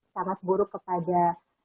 sangat buruk kepada